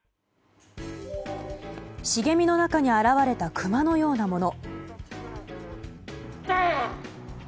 茂みの中に現れたクマのようなもの。